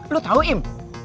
lo tau im